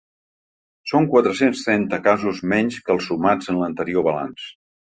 Són quatre-cents tretze casos menys que els sumats en l’anterior balanç.